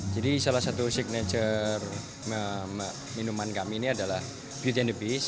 jadi salah satu signature minuman kami ini adalah beauty and the beast